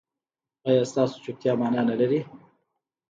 ایا ستاسو چوپتیا معنی نلري؟